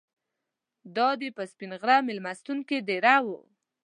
دای په سپین غر میلمستون کې دېره و.